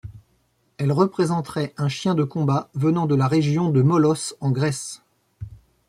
Elle représenterait un chien de combat venant de la région de Molosse en Grèce.